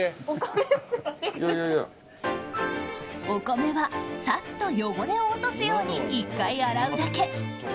お米はさっと汚れを落とすように１回洗うだけ。